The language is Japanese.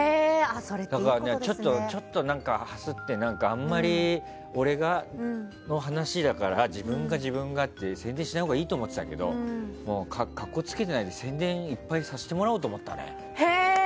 だからちょっと、ハスってあんまり俺の話だから自分が自分がって宣伝しないほうがいいと思ってたんだけど格好つけなくて宣伝させてもらおうと思ったね。